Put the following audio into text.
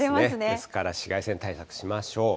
ですから紫外線対策しましょう。